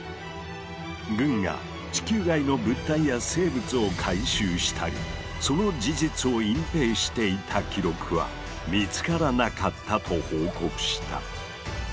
軍が地球外の物体や生物を回収したりその事実を隠蔽していた記録は見つからなかったと報告した。